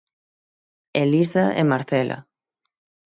Elisa e Marcela.